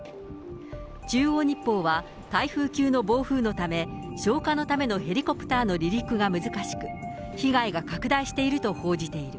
中央日報は、台風級の暴風のため、消火のためのヘリコプターの離陸が難しく、被害が拡大していると報じている。